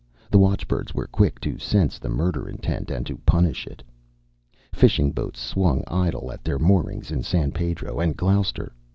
The watchbirds were quick to sense the murder intent and to punish it. Fishing boats swung idle at their moorings in San Pedro and Gloucester.